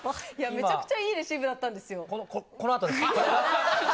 めちゃくちゃいいレシーブだったんですよ。